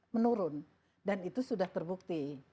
menurun dan itu sudah terbukti